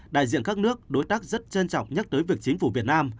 đại diện các nước đối tác rất trân trọng nhắc tới việc chính phủ việt nam